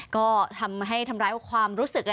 ก็ทำให้ทำร้ายความรู้สึก